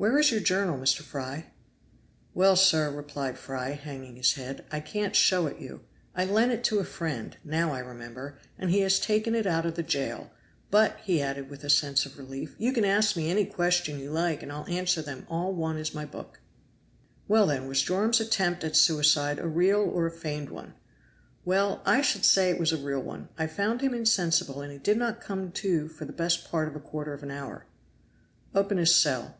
"Where is your journal, Mr. Fry?" "Well, sir," replied Fry, hanging his head, "I can't show it you. I lent it to a friend, now I remember, and he has taken it out of the jail; but," added he with a sense of relief, "you can ask me any questions you like and I'll answer them all one as my book." "Well, then, was Joram's attempt at suicide a real or a feigned one?" "Well, I should say it was a real one. I found him insensible and he did not come to for best part of a quarter of an hour." "Open his cell."